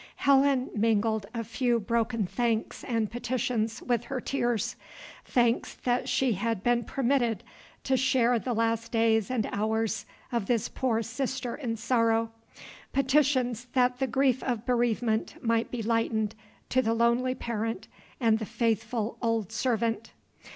Helen mingled a few broken thanks and petitions with her tears: thanks that she had been permitted to share the last days and hours of this poor sister in sorrow; petitions that the grief of bereavement might be lightened to the lonely parent and the faithful old servant.